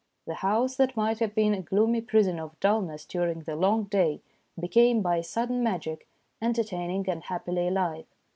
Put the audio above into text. The house that might have been a gloomy prison of dull ness during the long day became, by a sudden magic, entertaining and happily alive.